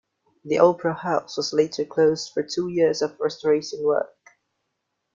The Opera House was later closed for two years of restoration work.